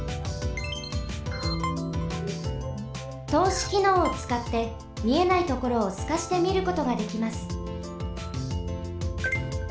とうしきのうをつかってみえないところをすかしてみることができます。